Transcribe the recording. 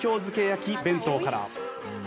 漬け焼き弁当から。